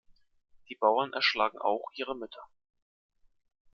Die Bauern erschlagen auch ihre Mütter.